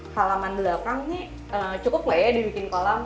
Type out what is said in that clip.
halaman belakangnya cukup nggak ya dibikin kolam